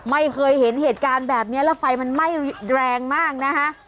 ไม่เคยเห็นเหตุการณ์แบบนี้แล้วไฟมันไหม้แรงมากนะคะ